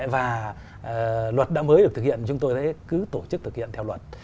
và luật đã mới được thực hiện chúng tôi sẽ cứ tổ chức thực hiện theo luật